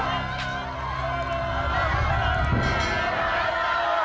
aku sudah tak jugak